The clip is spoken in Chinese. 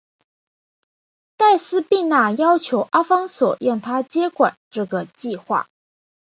黛丝碧娜要求阿方索让她接管这个计画。